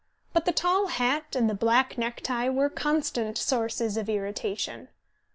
But the tall hat and the black necktie were constant sources of irritation.